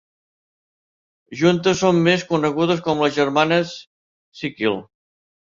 Juntes són més conegudes com les Germanes Sikkil.